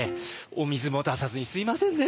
お水も出さずにすみませんね